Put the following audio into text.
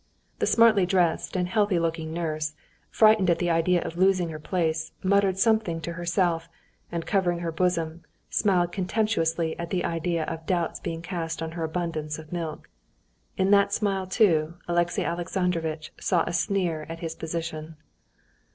The smartly dressed and healthy looking nurse, frightened at the idea of losing her place, muttered something to herself, and covering her bosom, smiled contemptuously at the idea of doubts being cast on her abundance of milk. In that smile, too, Alexey Alexandrovitch saw a sneer at his position.